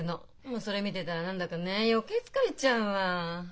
それ見てたら何だかね余計疲れちゃうわ。